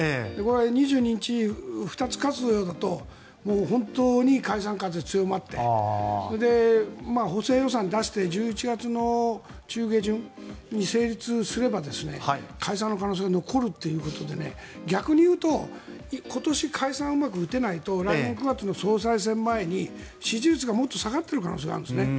２２日に２つ勝つようだと本当に解散風が強まってそれで補正予算を出して１１月の中下旬に成立すれば解散の可能性が残るということで逆に言うと今年、解散をうまく打てないと来年９月の総裁選前に支持率がもっと下がっている可能性があるんですね。